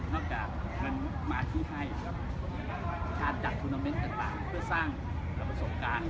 จากมันมาที่ให้การจัดทุนาเมนต์ต่างเพื่อสร้างประสบการณ์